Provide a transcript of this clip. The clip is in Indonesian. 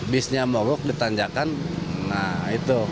bisnya mogok di tanjakan nah itu